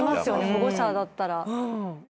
保護者だったら。